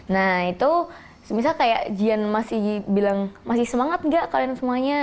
nah itu misalnya kayak jian masih bilang masih semangat gak kalian semuanya